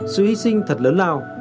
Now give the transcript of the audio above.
sự hy sinh thật lớn lao